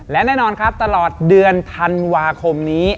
และแน่นอนครับตลอดเดือนธันวาคมนี้